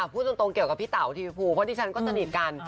พูดตรงกับพี่เต่าทีฟีดพ่อนี้ฉันก็ชนิดกัน